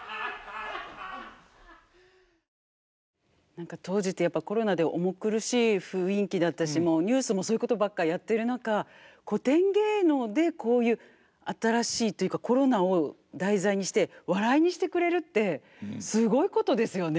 何か当時ってやっぱコロナで重苦しい雰囲気だったしニュースもそういうことばっかりやってる中古典芸能でこういう新しいというかコロナを題材にして笑いにしてくれるってすごいことですよね。